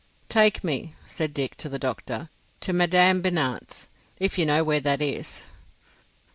"Take me," said Dick, to the doctor, "to Madame Binat's—if you know where that is."